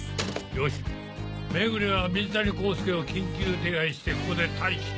よし目暮は水谷浩介を緊急手配してここで待機。